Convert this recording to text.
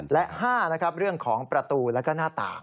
และ๕นะครับเรื่องของประตูแล้วก็หน้าต่าง